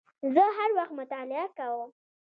زه هر وخت مطالعه کوم